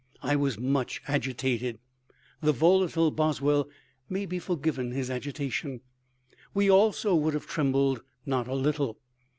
I was much agitated." The volatile Boswell may be forgiven his agitation. We also would have trembled not a little.